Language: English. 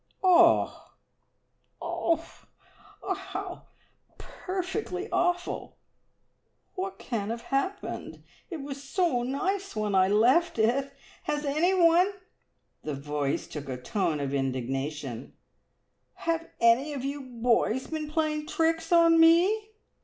"Oh oh oh! How p p p perfectly awful! What can have happened? It was so nice when I left it! Has anyone" the voice took a tone of indignation "have any of you boys been playing tricks on me?"